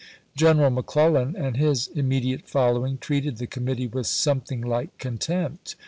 General McClellan and his imme diate following treated the committee with some thing like contempt.